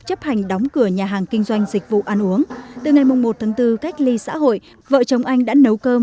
chấp hành đóng cửa nhà hàng kinh doanh dịch vụ ăn uống từ ngày một tháng bốn cách ly xã hội vợ chồng anh đã nấu cơm